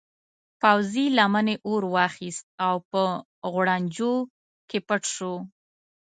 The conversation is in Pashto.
پوځي لمنې اور واخیست او په غوړنجو کې پټ شو.